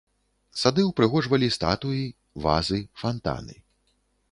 Сады ўпрыгожвалі статуі, вазы, фантаны.